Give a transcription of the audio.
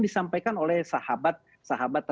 disampaikan oleh sahabat sahabat